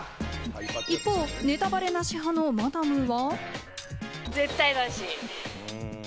一方、ネタバレなし派のマダムは。